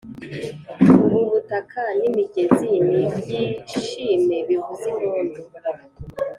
Ubu butaka n’imigezi nibyishime bivuze impundu